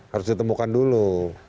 harus ditemukan dulu